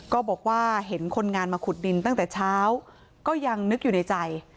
ก็บอกว่าเห็นคนงานมาขุดดินตั้งแต่เช้าก็ยังนึกอยู่ในใจ